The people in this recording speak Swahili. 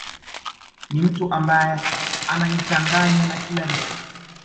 Ni mtu ambaye anajichanganya na kila rika